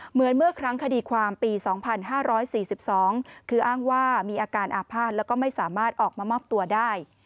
เหมือนเมื่อครั้งคดีความปี๒๕๔๒คืออ้างว่ามีอาการอาภาษณ์แล้วก็ไม่สามารถออกมามอบตัวได้